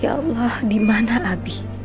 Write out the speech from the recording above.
ya allah dimana abi